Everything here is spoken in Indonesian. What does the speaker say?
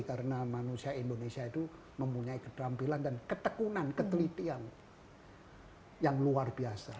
karena manusia indonesia itu mempunyai keterampilan dan ketekunan ketelitian yang luar biasa